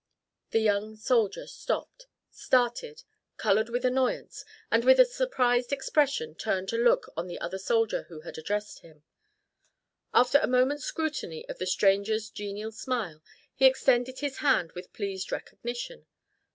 The young soldier stopped, started, colored with annoyance, and with a surprised expression turned to look on the other soldier who had addressed him. After a moment's scrutiny of the stranger's genial smile he extended his hand with pleased recognition.